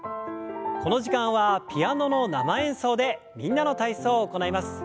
この時間はピアノの生演奏で「みんなの体操」を行います。